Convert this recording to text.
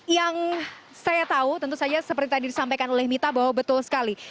yang saya tahu tentu saja seperti tadi disampaikan oleh mita bahwa betul sekali